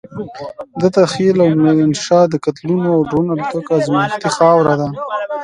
دته خېل او ميرانشاه د قتلونو او ډرون الوتکو ازمايښتي خاوره ده.